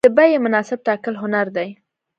د بیې مناسب ټاکل هنر دی.